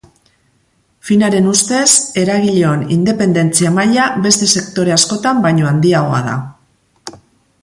Finaren ustez, eragileon independentzia maila beste sekore askotan baino handiagoa da.